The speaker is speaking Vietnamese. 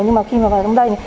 nhưng mà khi mà vào trong đây